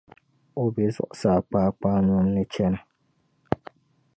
o be zuɣusaa kpakpanyom ni chana.